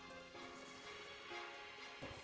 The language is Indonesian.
kalau dengan tidak